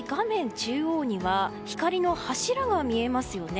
中央には光の柱が見えますよね。